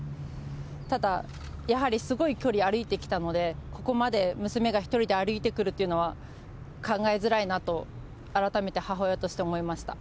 ただ、やはりすごい距離、歩いてきたので、ここまで娘が一人で歩いてくるというのは考えづらいなと、改めて母親として思いました。